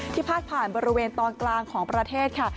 พาดผ่านบริเวณตอนกลางของประเทศค่ะ